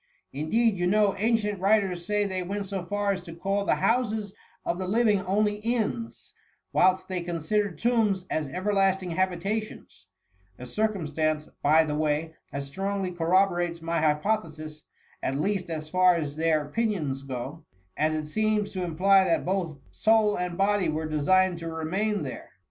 Indeed, you know, ancient writers say they went so far as to call the houses of the living only inns, whilst they considered tombs as everlasting habitations ;— a circumstance, by the way, that strongly corroborates my hypo thesis, at least as far as their opinions go; as it seems to imply that both soul and body were designed to remain there.